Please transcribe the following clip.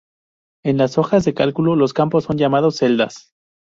En las hojas de cálculo los campos son llamados "celdas".